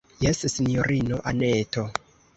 Jes, sinjorino Anneto.